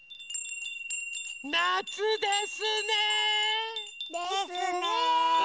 なつですね。ですね。ね。